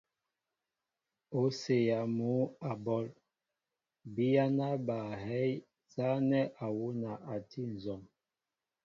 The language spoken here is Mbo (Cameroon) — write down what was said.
O séyɛɛ mŭ a ɓɔl, biyana ba hɛy nzanɛɛ awuna a ti nzɔm.